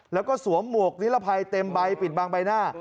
แล้วก็สวมหมวกนิรภัยเต็มใบปิดบางใบหน้า